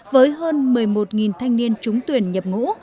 với hơn một mươi một thanh niên trúng tuyển nhập ngũ